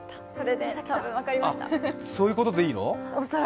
そういうことでいいの？